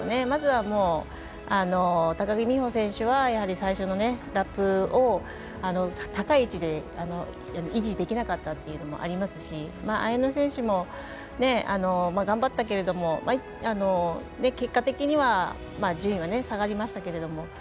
まずは、高木美帆選手は最初のラップを高い位置で維持できなかったっていうのもありますし、綾乃選手も頑張ったけれども、結果的には順位は下がりましたけれども。